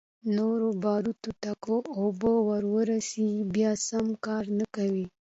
نورو باروتو ته که اوبه ورورسي بيا سم کار نه کوي.